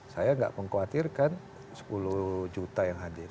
saya nggak mengkhawatirkan sepuluh juta yang hadir